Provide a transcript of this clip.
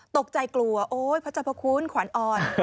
ตกใจกลัวโอ๊ยพระเจ้าพระคุณขวัญอ่อน